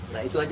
nah itu aja